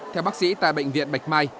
theo bác sĩ tại bệnh viện bạch mai